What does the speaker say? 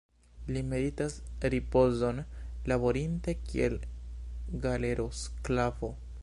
Li meritas ripozon, laborinte kiel galerosklavo.